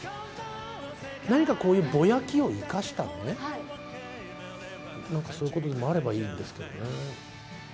何かこういうぼやきを生かしたね、なんかそういうことでもあればいいんですけどね。